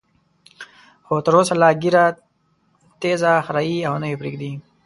خو تر اوسه لا ږیره تېزه خرېي او نه یې پریږدي.